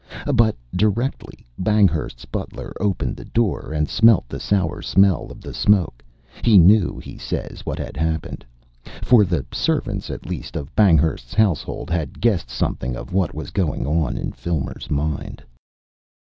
But directly Banghurst's butler opened the door and smelt the sour smell of the smoke, he knew, he says, what had happened. For the servants at least of Banghurst's household had guessed something of what was going on in Filmer's mind.